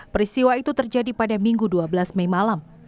peristiwa itu terjadi pada minggu dua belas mei malam